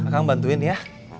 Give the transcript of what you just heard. kang bantuin ya